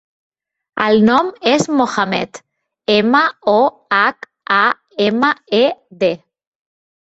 El nom és Mohamed: ema, o, hac, a, ema, e, de.